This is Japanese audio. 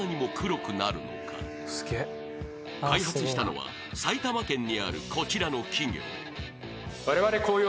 ［開発したのは埼玉県にあるこちらの企業］